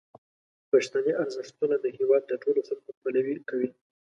پښتني ارزښتونه د هیواد د ټولو خلکو پلوي کوي.